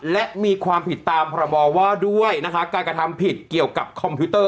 และมีความผิดตามพรบว่าด้วยนะคะการกระทำผิดเกี่ยวกับคอมพิวเตอร์